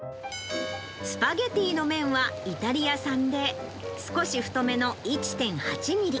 スパゲティの麺はイタリア産で、少し太めの１．８ミリ。